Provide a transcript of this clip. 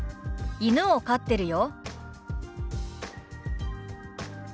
「犬を飼ってるよ」。